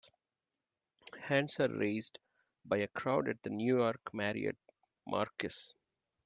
Hands are raised by a crowd at the New York Marriott Marquis.